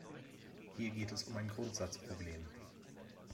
Hier geht es um ein Grundsatzproblem.